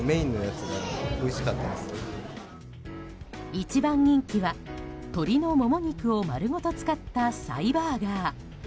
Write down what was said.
一番人気は鶏のモモ肉を丸ごと使ったサイバーガー。